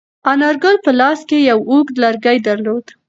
انارګل په لاس کې یو اوږد لرګی درلود.